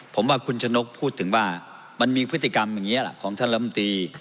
ผมว่าคุณชะนกพูดถึงว่ามันมีพฤติกรรมอย่างนี้แหละของท่านลำตี